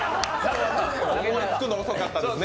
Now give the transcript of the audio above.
気づくの遅かったですね。